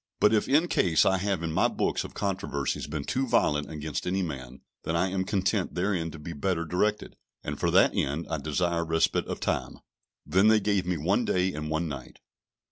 But if in case I have in my books of controversies been too violent against any man, then I am content therein to be better directed, and for that end I desire respite of time." Then they gave me one day and one night.